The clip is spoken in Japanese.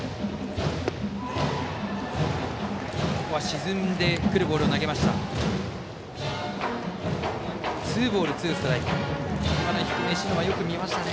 沈んでくるボールを投げました。